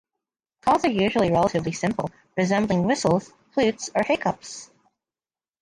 Calls are usually relatively simple, resembling whistles, flutes, or hiccups.